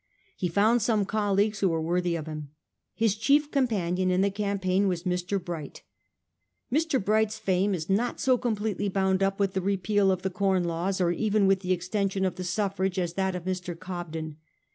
He found some colleagues who were worthy of him. His chief companion in the campaign was Mr. Bright. Mr. Bright's fame is not so completely bound up with the repeal of the Com Laws, or even with the extension of the suffrage, as that of Mr. Cobden.